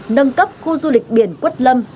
nâng cấp khu du lịch biển quất lâm